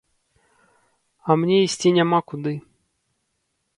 А мне ісці няма куды.